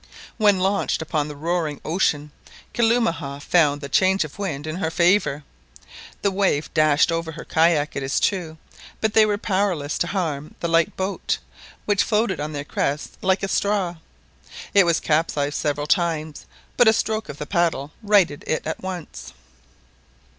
When launched upon the roaring ocean, Kalumah found the change of wind in her favour. The waves dashed over her kayak, it is true, but they were powerless to harm the light boat, which floated on their crests like a straw. It was capsized several times, but a stroke of the paddle righted it at once.